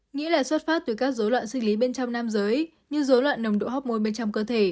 nghĩa là xuất phát từ các dấu loạn sinh lý bên trong nam giới như dấu loạn nồng độ hóc môi bên trong cơ thể